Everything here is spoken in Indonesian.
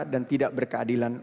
dan tidak berkeadilan